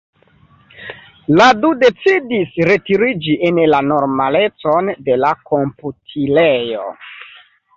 La du decidis retiriĝi en la normalecon de la komputilejo.